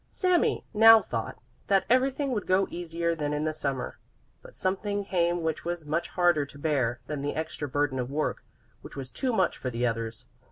Sami now thought that everything would go easier than in the Summer, but something came which was much harder to bear than the extra burden of work, which was too much for the others.